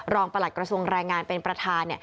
ประหลัดกระทรวงแรงงานเป็นประธาน